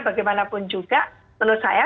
bagaimanapun juga menurut saya